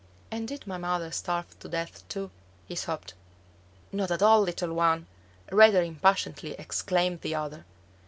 "And did my mother starve to death too?" he sobbed. "Not at all, little one," rather impatiently exclaimed the other.